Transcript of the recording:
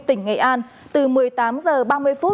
tỉnh nghệ an từ một mươi tám h ba mươi phút